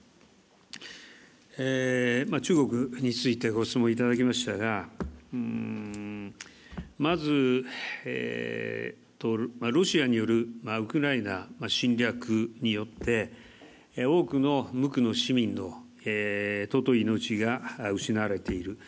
中国についてご質問いただきましたがまず、ロシアによるウクライナ侵略によって、多くの無垢の市民のとうとい命が失われている。